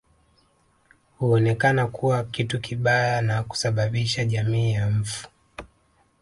Huonekana kuwa kitu kibaya na kusababisha jamii ya mfu